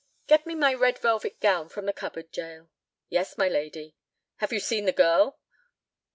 "Get me my red velvet gown from the cupboard, Jael." "Yes, my lady." "Have you seen the girl?"